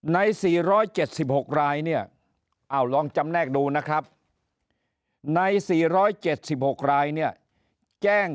ใน๔๗๖รายเนี่ยลองจำแนกดูนะครับใน๔๗๖รายเนี่ยแจ้ง